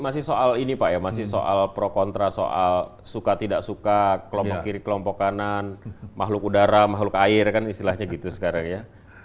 masih soal ini pak ya masih soal pro kontra soal suka tidak suka kelompok kiri kelompok kanan makhluk udara makhluk air kan istilahnya gitu sekarang ya